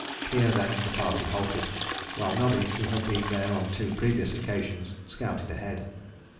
Here, then, the party halted, while Nobby, who had been there on two previous occasions, scouted ahead.